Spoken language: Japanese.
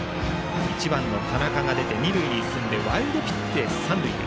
１番の田中が出て二塁に進んでワイルドピッチで三塁へ。